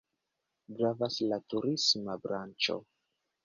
Gravas la turisma branĉo.